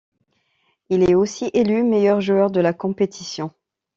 Il est aussi élu meilleur joueur de la compétition.